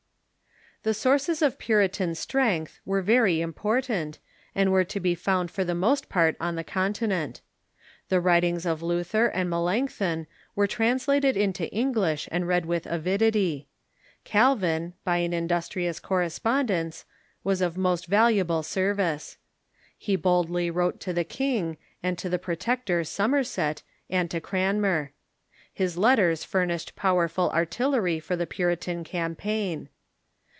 The sources of Puritan strength were very important, and were to be found for the most i^art on the Continent. The writings of Lutlier and Melanchthon were trans PuHtan'suength ^^^^^ ^"^0 Englisli and read with avidity. Cal vin, by an industrious correspondence, was of most vahiable service. He boldly wrote to the king, and to the protector Somerset, and to Cranmer. His letters furnished powerful artillery for the Puritan campaign.